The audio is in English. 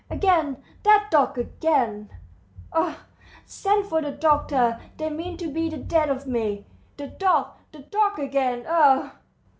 "Again, that dog, again! ... Oh, send for the doctor. They mean to be the death of me. ... The dog, the dog again! Oh!"